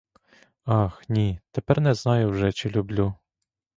Ах, ні, тепер не знаю вже, чи люблю.